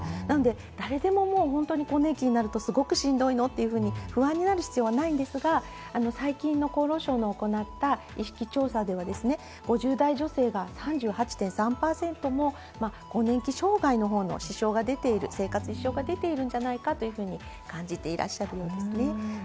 なので、誰でも更年期になると、すごくしんどいのと、不安になる必要はないんですが、最近の厚労省の行った意識調査ではですね、５０代女性が３８．３％も更年期障害、生活のほうに支障が出ているんじゃないかと感じていらっしゃるんですね。